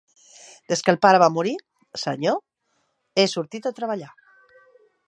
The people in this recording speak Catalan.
Des que el pare va morir, senyor, he sortit a treballar.